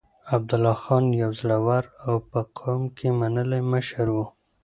عبدالله خان يو زړور او په قوم کې منلی مشر و.